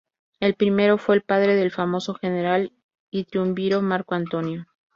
El primero fue el padre del famoso general y triunviro Marco Antonio.